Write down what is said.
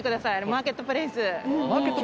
マーケットプレイス。